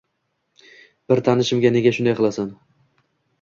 Bir tanishimga: «Nega shunday qilasan?